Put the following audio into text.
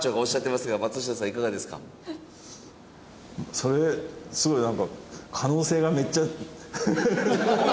それすごいなんか可能性がめっちゃ。